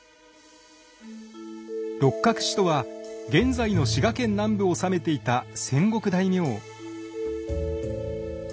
六角氏とは現在の滋賀県南部を治めていた戦国大名。